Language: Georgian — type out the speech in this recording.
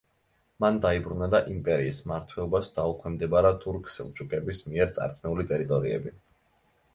მან დაიბრუნა და იმპერიის მმართველობას დაუქვემდებარა თურქ-სელჩუკების მიერ წართმეული ტერიტორიები.